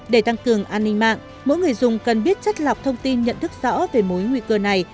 để tăng cường an ninh mạng mỗi người dùng cần biết chất lọc thông tin nhận thức rõ về mối nguy cơ này